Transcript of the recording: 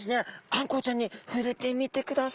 あんこうちゃんにふれてみてください。